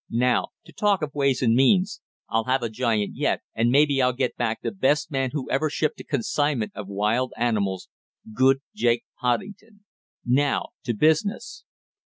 Now to talk of ways and means! I'll have a giant yet, and maybe I'll get back the best man who ever shipped a consignment of wild animals, good Jake Poddington! Now to business!"